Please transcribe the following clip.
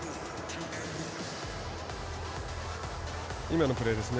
今のプレーです。